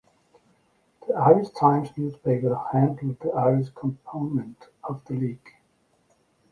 The "Irish Times" newspaper handled the Irish component of the leak.